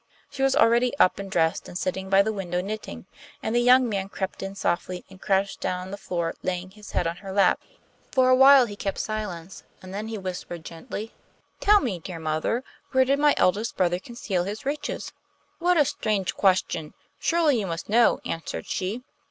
She was already up and dressed, and sitting by the window knitting, and the young man crept in softly and crouched down on the floor, laying his head on her lap. For a while he kept silence, then he whispered gently: 'Tell me, dear mother, where did my eldest brother conceal his riches?' 'What a strange question! Surely you must know,' answered she.